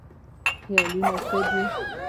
خیالونه ښه دي.